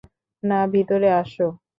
না, ভিতরে আসো।